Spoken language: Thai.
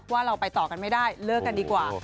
เราไปต่อกันไม่ได้เลิกกันดีกว่า